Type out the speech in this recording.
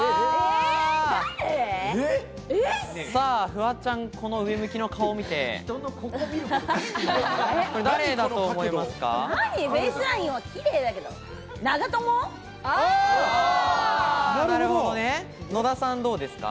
フワちゃん、この上向きの顔を見て誰だと思いますか？